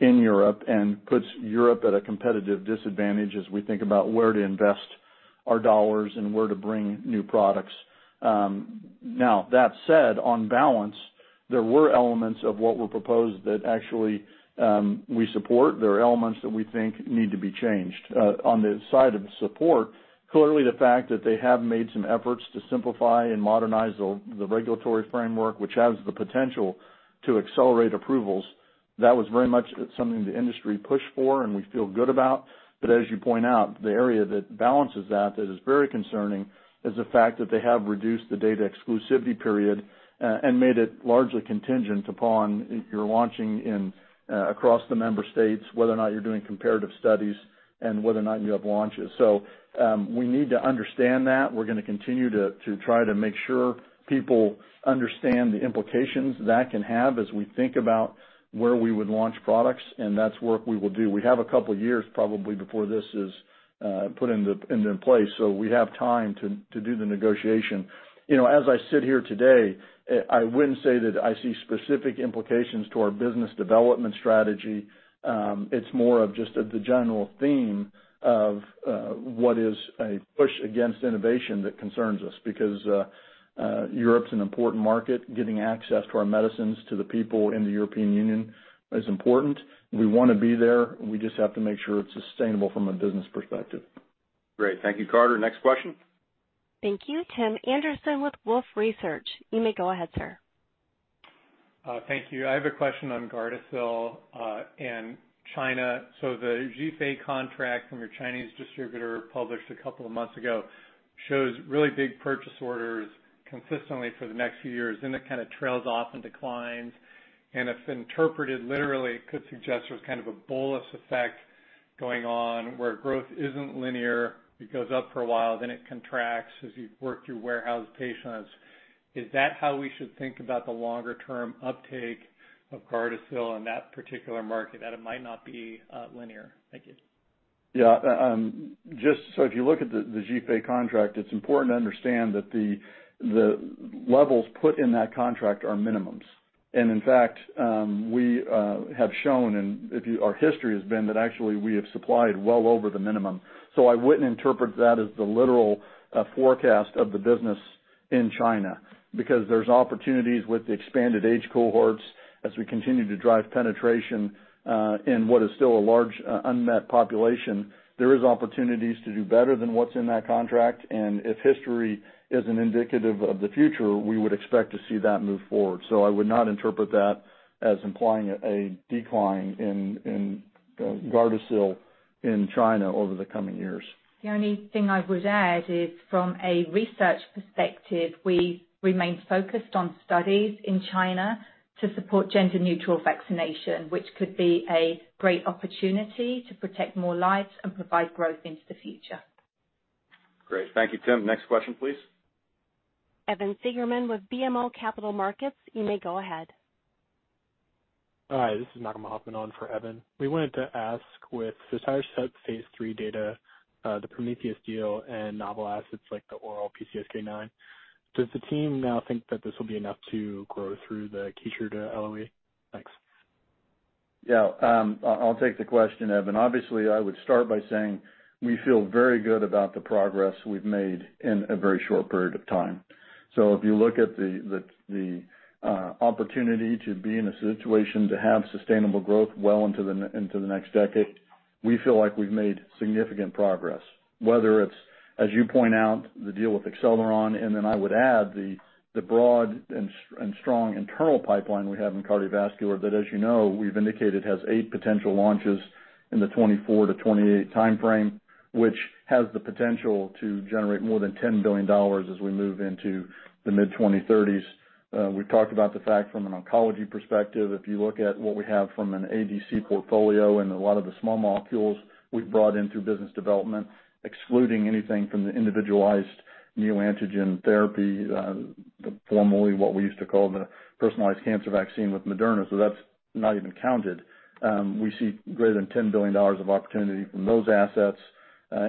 Speaker 3: in Europe and puts Europe at a competitive disadvantage as we think about where to invest our dollars and where to bring new products. Now that said, on balance, there were elements of what were proposed that actually, we support. There are elements that we think need to be changed. On the side of support, clearly the fact that they have made some efforts to simplify and modernize the regulatory framework, which has the potential to accelerate approvals, that was very much something the industry pushed for, and we feel good about. As you point out, the area that balances that is very concerning, is the fact that they have reduced the data exclusivity period and made it largely contingent upon if you're launching in across the member states, whether or not you're doing comparative studies and whether or not you have launches. We need to understand that. We're gonna continue to try to make sure people understand the implications that can have as we think about where we would launch products, and that's work we will do. We have a couple years probably before this is put into place, so we have time to do the negotiation. You know, as I sit here today, I wouldn't say that I see specific implications to our business development strategy. It's more of just of the general theme of what is a push against innovation that concerns us because Europe's an important market. Getting access to our medicines to the people in the European Union is important. We wanna be there. We just have to make sure it's sustainable from a business perspective.
Speaker 2: Great. Thank you, Carter. Next question.
Speaker 1: Thank you. Tim Anderson with Wolfe Research. You may go ahead, sir.
Speaker 12: Thank you. I have a question on GARDASIL and China. The Zhifei contract from your Chinese distributor published a couple of months ago shows really big purchase orders consistently for the next few years, then it kinda trails off and declines. If interpreted literally, it could suggest there's kind of a bolus effect going on, where growth isn't linear. It goes up for a while, then it contracts as you work through warehoused patients. Is that how we should think about the longer-term uptake of GARDASIL in that particular market, that it might not be linear? Thank you.
Speaker 3: Yeah. Just if you look at the Zhifei contract, it's important to understand that the levels put in that contract are minimums. In fact, we have shown, and our history has been that actually we have supplied well over the minimum. I wouldn't interpret that as the literal forecast of the business in China because there's opportunities with the expanded age cohorts as we continue to drive penetration in what is still a large unmet population. There is opportunities to do better than what's in that contract. If history is an indicative of the future, we would expect to see that move forward. I would not interpret that as implying a decline in GARDASIL in China over the coming years.
Speaker 4: The only thing I would add is from a research perspective, we remain focused on studies in China to support gender-neutral vaccination, which could be a great opportunity to protect more lives and provide growth into the future.
Speaker 2: Great. Thank you, Tim. Next question, please.
Speaker 1: Evan Seigerman with BMO Capital Markets, you may go ahead.
Speaker 13: Hi, this is Malcolm Hoffman on for Evan. We wanted to ask, with the phase III data, the Prometheus deal and novel assets like the oral PCSK9, does the team now think that this will be enough to grow through the KEYTRUDA LOE? Thanks.
Speaker 3: Yeah. I'll take the question, Malcolm. Obviously, I would start by saying we feel very good about the progress we've made in a very short period of time. If you look at the opportunity to be in a situation to have sustainable growth well into the next decade, we feel like we've made significant progress, whether it's, as you point out, the deal with Acceleron, and then I would add the broad and strong internal pipeline we have in cardiovascular that, as you know, we've indicated has eight potential launches in the 2024-2028 timeframe, which has the potential to generate more than $10 billion as we move into the mid-2030s. We've talked about the fact from an oncology perspective, if you look at what we have from an ADC portfolio and a lot of the small molecules we've brought into business development, excluding anything from the individualized neoantigen therapy, the formerly what we used to call the personalized cancer vaccine with Moderna, so that's not even counted, we see greater than $10 billion of opportunity from those assets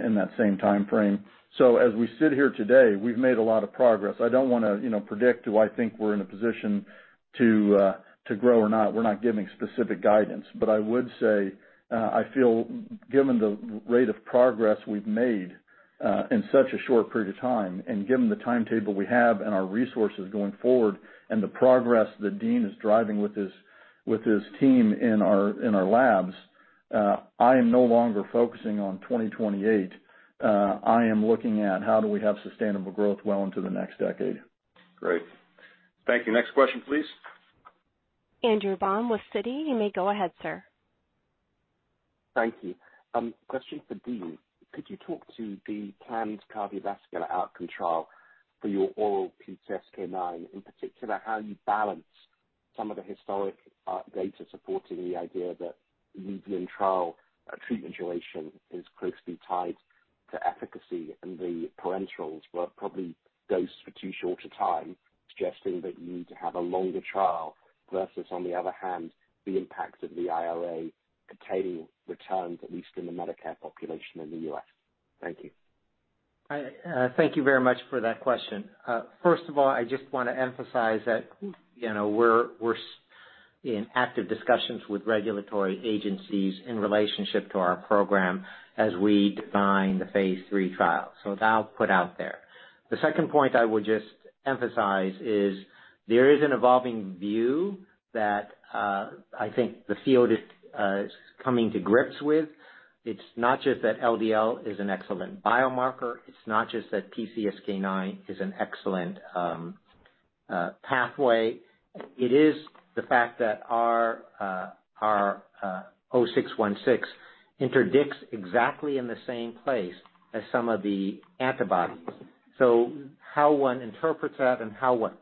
Speaker 3: in that same timeframe. As we sit here today, we've made a lot of progress. I don't wanna, you know, predict do I think we're in a position to grow or not, we're not giving specific guidance. I would say, I feel given the rate of progress we've made, in such a short period of time, and given the timetable we have and our resources going forward and the progress that Dean is driving with his team in our lab. I am no longer focusing on 2028. I am looking at how do we have sustainable growth well into the next decade.
Speaker 2: Thank you. Next question, please.
Speaker 1: Andrew Baum with Citi. You may go ahead, sir.
Speaker 14: Thank you. Question for Dean. Could you talk to the planned cardiovascular outcome trial for your oral PCSK9, in particular, how you balance some of the historic data supporting the idea that the medium trial treatment duration is closely tied to efficacy, and the parentals were probably dosed for too short a time, suggesting that you need to have a longer trial versus, on the other hand, the impact of the IRA curtailing returns, at least in the Medicare population in the U.S.? Thank you.
Speaker 5: I thank you very much for that question. First of all, I just wanna emphasize that, you know, we're in active discussions with regulatory agencies in relationship to our program as we define the phase III trial. That I'll put out there. The second point I would just emphasize is there is an evolving view that I think the field is coming to grips with. It's not just that LDL is an excellent biomarker. It's not just that PCSK9 is an excellent pathway. It is the fact that our MK-0616 interdicts exactly in the same place as some of the antibodies. How one interprets that and how one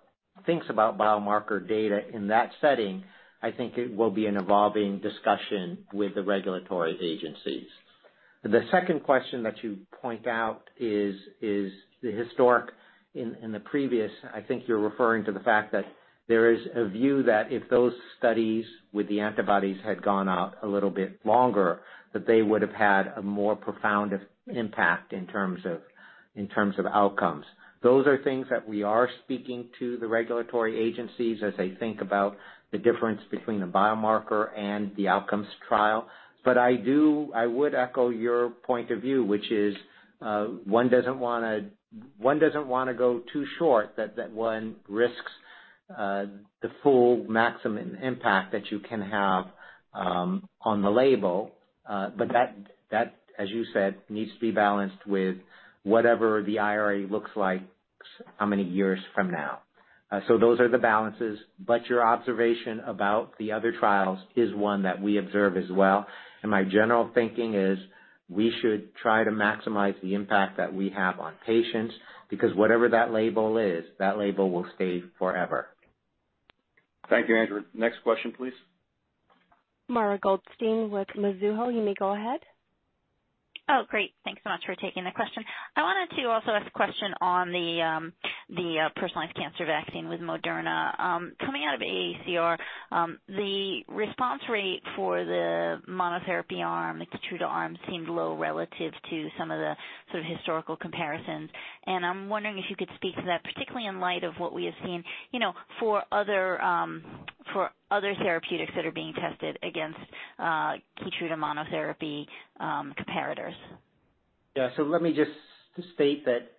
Speaker 5: thinks about biomarker data in that setting, I think it will be an evolving discussion with the regulatory agencies. The second question that you point out is the historic in the previous, I think you're referring to the fact that there is a view that if those studies with the antibodies had gone out a little bit longer, that they would've had a more profound impact in terms of outcomes. Those are things that we are speaking to the regulatory agencies as they think about the difference between a biomarker and the outcomes trial. I would echo your point of view, which is one doesn't wanna go too short that one risks the full maximum impact that you can have on the label. that, as you said, needs to be balanced with whatever the IRA looks like how many years from now. Those are the balances, but your observation about the other trials is one that we observe as well, and my general thinking is we should try to maximize the impact that we have on patients because whatever that label is, that label will stay forever.
Speaker 2: Thank you, Andrew. Next question, please.
Speaker 1: Mara Goldstein with Mizuho. You may go ahead.
Speaker 15: Oh, great. Thanks so much for taking the question. I wanted to also ask a question on the personalized cancer vaccine with Moderna. Coming out of AACR, the response rate for the monotherapy arm, the KEYTRUDA arm, seemed low relative to some of the sort of historical comparisons. I'm wondering if you could speak to that, particularly in light of what we have seen, you know, for other, for other therapeutics that are being tested against KEYTRUDA monotherapy comparators?
Speaker 5: Yeah. Let me just state that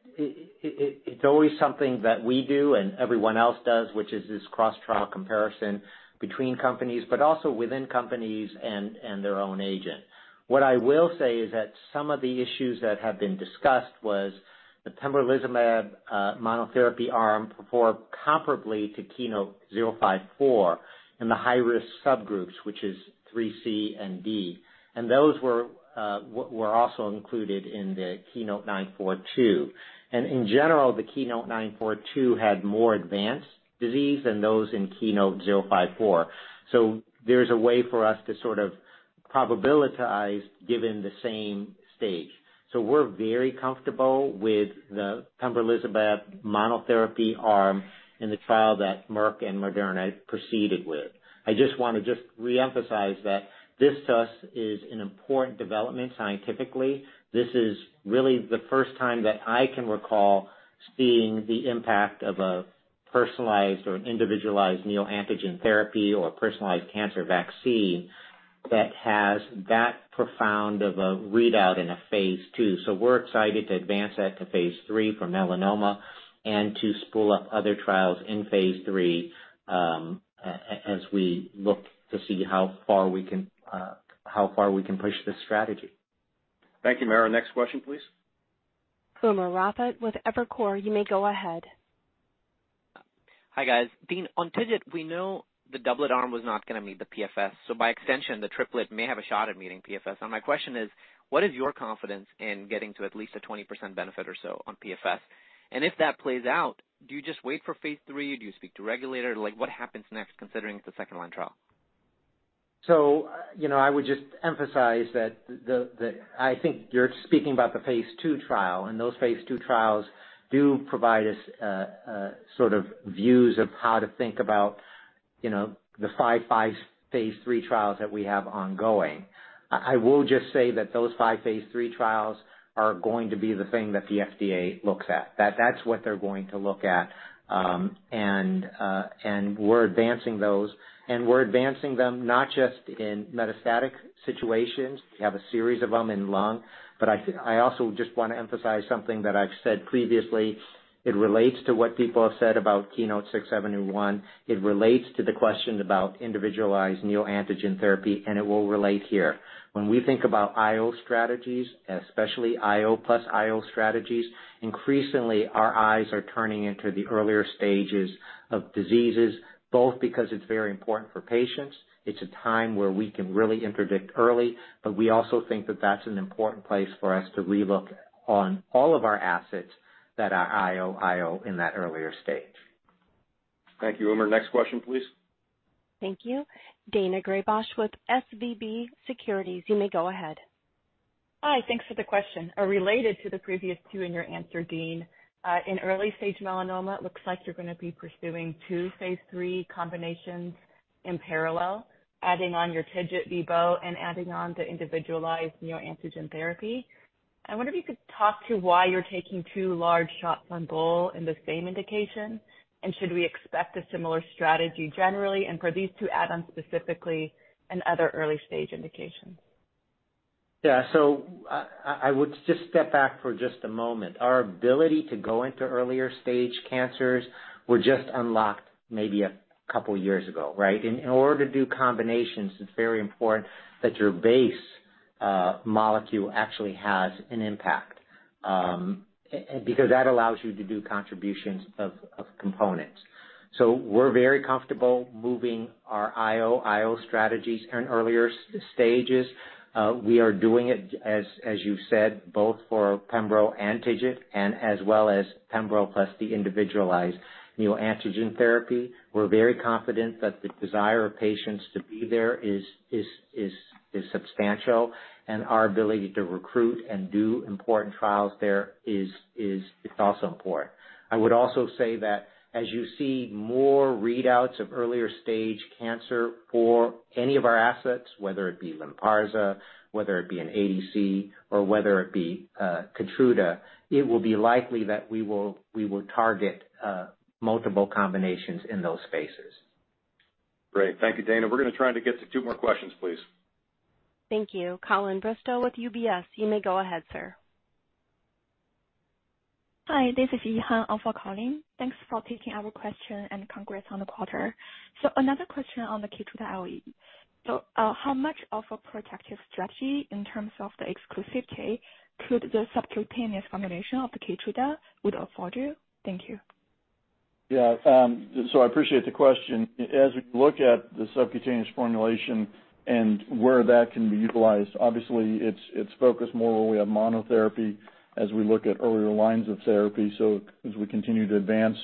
Speaker 5: it's always something that we do and everyone else does, which is this cross-trial comparison between companies, but also within companies and their own agent. What I will say is that some of the issues that have been discussed was the pembrolizumab monotherapy arm performed comparably to KEYNOTE-054 in the high-risk subgroups, which is stage IIIC and D. Those were also included in the KEYNOTE-942. In general, the KEYNOTE-942 had more advanced disease than those in KEYNOTE-054. There's a way for us to sort of probabilitize given the same stage. We're very comfortable with the pembrolizumab monotherapy arm in the trial that Merck and Moderna proceeded with. I just want to just reemphasize that this to us is an important development scientifically. This is really the first time that I can recall seeing the impact of a personalized or an individualized neoantigen therapy or a personalized cancer vaccine that has that profound of a readout in a phase II. We're excited to advance that to phase III for melanoma and to spool up other trials in phase III, as we look to see how far we can, how far we can push this strategy.
Speaker 2: Thank you, Mara. Next question, please.
Speaker 1: Umer Raffat with Evercore. You may go ahead.
Speaker 16: Hi, guys. Dean, on TIGIT, we know the doublet arm was not gonna meet the PFS, so by extension, the triplet may have a shot at meeting PFS. My question is, what is your confidence in getting to at least a 20% benefit or so on PFS? If that plays out, do you just wait for phase III? Do you speak to regulator? Like, what happens next, considering it's a second-line trial?
Speaker 5: You know, I would just emphasize that the I think you're speaking about the phase II trial, and those phase II trials do provide us You know, the five phase III trials that we have ongoing. I will just say that those five phase III trials are going to be the thing that the FDA looks at. That's what they're going to look at, and we're advancing those and we're advancing them not just in metastatic situations. We have a series of them in lung, but I also just wanna emphasize something that I've said previously. It relates to what people have said about KEYNOTE-671. It relates to the question about individualized neoantigen therapy, and it will relate here. When we think about IO strategies, especially IO + IO strategies, increasingly our eyes are turning into the earlier stages of diseases, both because it's very important for patients, it's a time where we can really interdict early, but we also think that that's an important place for us to re-look at on all of our assets that are IO in that earlier stage.
Speaker 3: Thank you, Umer. Next question, please.
Speaker 1: Thank you. Daina Graybosch with SVB Securities, you may go ahead.
Speaker 17: Hi, thanks for the question. related to the previous two in your answer, Dean. in early-stage melanoma, it looks like you're gonna be pursuing two phase III combinations in parallel, adding on your TIGIT-vibostolimab and adding on the individualized neoantigen therapy. I wonder if you could talk to why you're taking two large shots on goal in the same indication, and should we expect a similar strategy generally, and for these two add-ons specifically in other early-stage indications?
Speaker 5: I would just step back for just a moment. Our ability to go into earlier stage cancers were just unlocked maybe a couple years ago, right? In order to do combinations, it's very important that your base molecule actually has an impact, and because that allows you to do contributions of components. We're very comfortable moving our IO strategies in earlier stages. We are doing it, as you said, both for pembro and TIGIT, and as well as pembro plus the individualized neoantigen therapy. We're very confident that the desire of patients to be there is substantial, and our ability to recruit and do important trials there is it's also important. I would also say that as you see more readouts of earlier stage cancer for any of our assets, whether it be LYNPARZA, whether it be an ADC, or whether it be KEYTRUDA, it will be likely that we will target multiple combinations in those phases.
Speaker 2: Great. Thank you, Daina. We're gonna try to get to two more questions, please.
Speaker 1: Thank you. Colin Bristow with UBS. You may go ahead, sir.
Speaker 18: Hi, this is Yihan for Colin. Thanks for taking our question and congrats on the quarter. Another question on the KEYTRUDA LOE. How much of a protective strategy in terms of the exclusivity could the subcutaneous formulation of the KEYTRUDA would afford you? Thank you.
Speaker 3: I appreciate the question. As we look at the subcutaneous formulation and where that can be utilized, obviously it's focused more where we have monotherapy as we look at earlier lines of therapy. As we continue to advance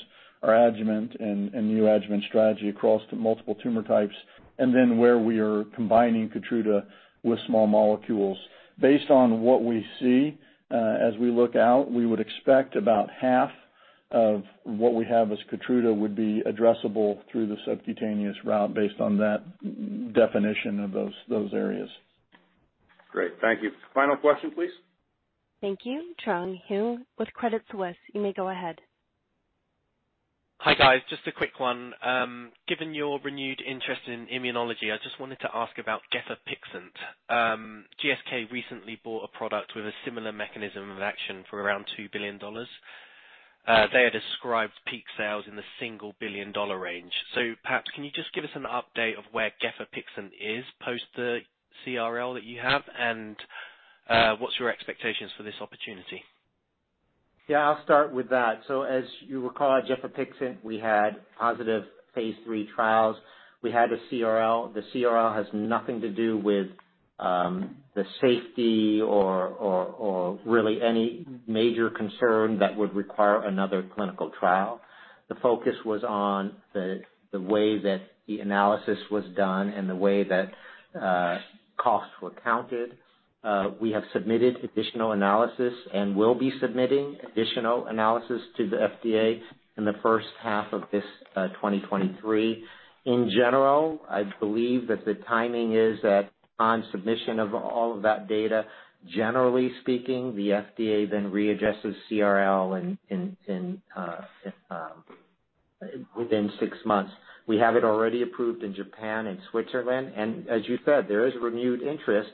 Speaker 3: our adjuvant and neoadjuvant strategy across the multiple tumor types, and then where we are combining KEYTRUDA with small molecules. Based on what we see, as we look out, we would expect about half of what we have as KEYTRUDA would be addressable through the subcutaneous route based on that definition of those areas.
Speaker 2: Great. Thank you. Final question, please.
Speaker 1: Thank you. Trung Huynh with Credit Suisse. You may go ahead.
Speaker 19: Hi, guys. Just a quick one. Given your renewed interest in immunology, I just wanted to ask about gefapixant. GSK recently bought a product with a similar mechanism of action for around $2 billion. They had described peak sales in the single billion-dollar range. Perhaps can you just give us an update of where gefapixant is post the CRL that you have, and what's your expectations for this opportunity?
Speaker 5: I'll start with that. As you recall, gefapixant, we had positive phase III trials. We had a CRL. The CRL has nothing to do with the safety or really any major concern that would require another clinical trial. The focus was on the way that the analysis was done and the way that costs were counted. We have submitted additional analysis and will be submitting additional analysis to the FDA in the first half of this 2023. In general, I believe that the timing is that on submission of all of that data, generally speaking, the FDA then readdresses CRL in within six months. We have it already approved in Japan and Switzerland. As you said, there is renewed interest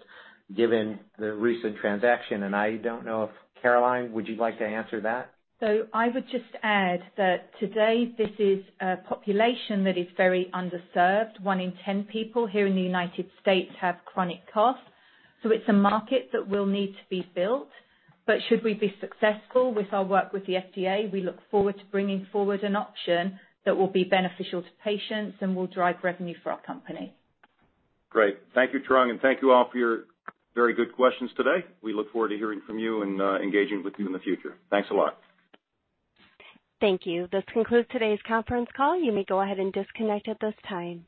Speaker 5: given the recent transaction. I don't know if Caroline, would you like to answer that?
Speaker 4: I would just add that today this is a population that is very underserved. One in 10 people here in the United States have chronic cough, so it's a market that will need to be built. Should we be successful with our work with the FDA, we look forward to bringing forward an option that will be beneficial to patients and will drive revenue for our company.
Speaker 2: Great. Thank you, Trung, and thank you all for your very good questions today. We look forward to hearing from you and engaging with you in the future. Thanks a lot.
Speaker 1: Thank you. This concludes today's conference call. You may go ahead and disconnect at this time.